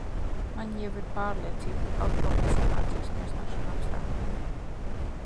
Man jau ir pārliecība, ka kaut ko mēs iemācīsimies no šiem apstākļiem.